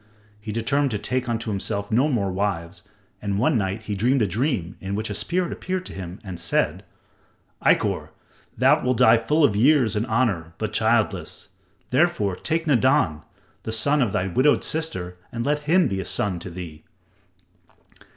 He determined to take unto himself no more wives, and one night he dreamed a dream in which a spirit appeared to him and said: "Ikkor, thou wilt die full of years and honor, but childless. Therefore, take Nadan, the son of thy widowed sister and let him be a son to thee."